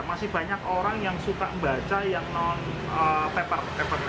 masih banyak orang yang suka membaca yang non paper